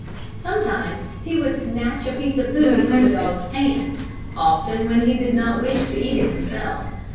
Sometimes he would snatch a piece of food from the dog's pan, often when he did not wish to eat it himself.